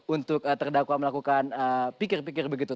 untuk terdakwa melakukan pikir pikir begitu